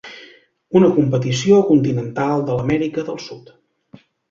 Una competició continental de l'Amèrica del sud.